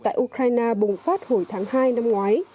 tại ukraine bùng phát hồi tháng hai năm ngoái